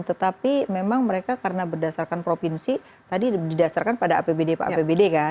tetapi memang mereka karena berdasarkan provinsi tadi didasarkan pada apbd pak apbd kan